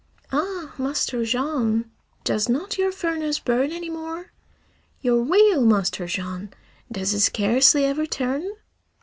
"Ah, Master Jean! Does not your furnace burn any more? Your wheel, Master Jean, does it scarcely ever turn?